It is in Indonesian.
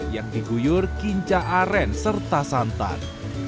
yang diguyur kinca aren serta santan